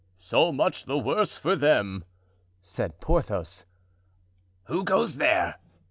"So much the worse for them," said Porthos. "Who goes there?"